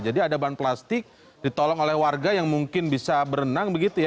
jadi ada ban plastik ditolong oleh warga yang mungkin bisa berenang begitu ya